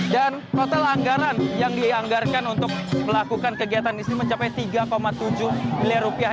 total anggaran yang dianggarkan untuk melakukan kegiatan ini mencapai tiga tujuh miliar rupiah